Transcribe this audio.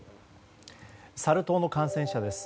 サル痘の感染者です。